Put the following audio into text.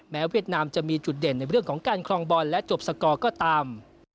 เวียดนามจะมีจุดเด่นในเรื่องของการครองบอลและจบสกอร์ก็ตาม